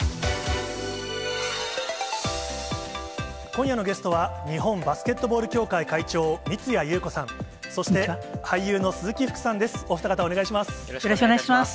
今夜のゲストは、日本バスケットボール協会会長、三屋裕子さん、そして俳優の鈴木福さんです。